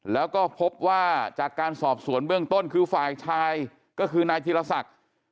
แล้วก็พบว่าจากการสอบสวนเบื้องต้นคือฝ่ายชายก็คือนายธีรศักดิ์